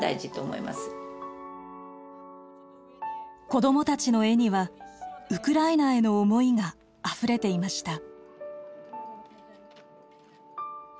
子どもたちの絵にはウクライナへの思いがあふれていました。